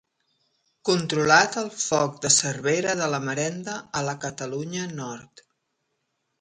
Controlat el foc de Cervera de la Marenda, a la Catalunya Nord.